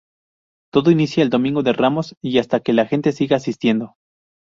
Todo inicia el Domingo de Ramos y hasta que la gente siga asistiendo.